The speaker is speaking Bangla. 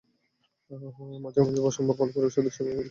মাঝে মাঝে সম্ভব হলে পরিবারের সদস্যদের নিয়ে বাইরে ইফতার করতে পারেন।